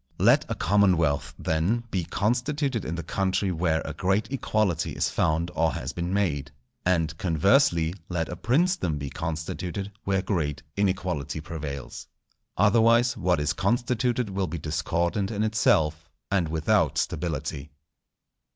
Let a commonwealth, then, be constituted in the country where a great equality is found or has been made; and, conversely, let a princedom be constituted where great inequality prevails. Otherwise what is constituted will be discordant in itself, and without stability.